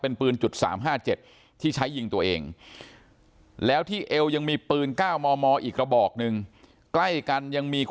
เป็นปืน๓๕๗ที่ใช้ยิงตัวเองแล้วที่เอวยังมีปืนก้าวมอมอออีกระบอกหนึ่ง